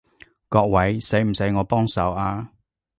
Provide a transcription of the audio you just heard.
各位，使唔使我幫手啊？